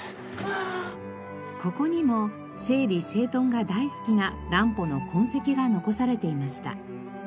ここにも整理整頓が大好きな乱歩の痕跡が残されていました。